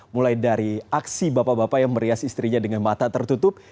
mulai dari aksi bapak bapak yang merias istrinya dengan mata tertutup